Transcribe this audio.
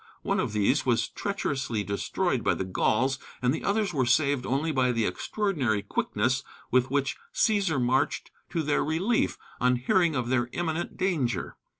One of these was treacherously destroyed by the Gauls, and the others were saved only by the extraordinary quickness with which Cæsar marched to their relief on hearing of their imminent danger.